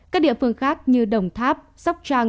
các địa phương khác như đồng tháp sóc tra